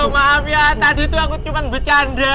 maaf ya tadi tuh aku cuma bercanda